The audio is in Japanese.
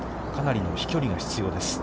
かなりの飛距離が必要です。